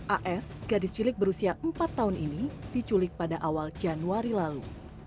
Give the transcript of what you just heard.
as gadis cilik berusia empat tahun ini diculik pada awal januari lalu